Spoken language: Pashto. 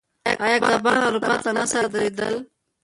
آیا کبان اروپا ته نه صادرېدل؟